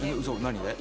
何で？